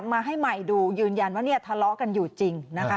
มาให้ใหม่ดูยืนยันว่าทะเลาะกันอยู่จริงนะคะ